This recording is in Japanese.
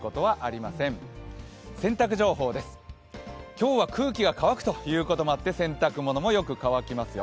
今日は空気が乾くということで洗濯物もよく乾きますよ。